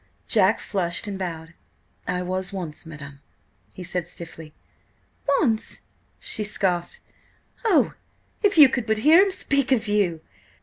Jack flushed and bowed. "I was once–madam," he said stiffly. "Once!" she scoffed. "Oh, if you could but hear him speak of you!